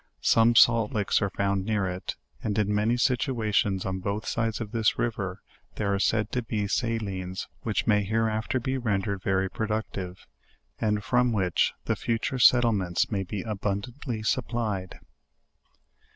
Some salt licks are found near it; and in many situations on both sides of this river, there are said to be salines which may hereafter be rendered v'ery productive, and from which the future settlements may be abundantly supplied.